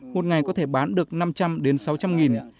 một ngày có thể bán được năm trăm linh đến sáu trăm linh nghìn